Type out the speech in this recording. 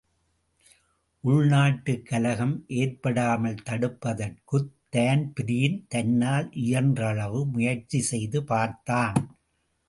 உள்நாட்டுக் கலகம் ஏற்படாமல் தடுப்பதற்குத் தான்பிரீன் தன்னால் இயன்றளவு முயற்சிசெய்து பார்த்தான்.